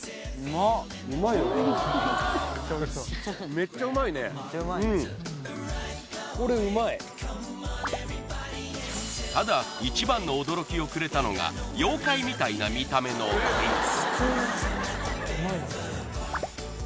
めっちゃうまいただ１番の驚きをくれたのが妖怪みたいな見た目のこいつ